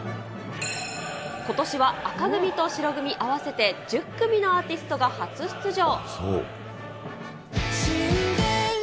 ことしは紅組と白組、合わせて１０組のアーティストが初出場。